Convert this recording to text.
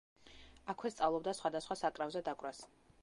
აქვე სწავლობდა სხვადასხვა საკრავზე დაკვრას.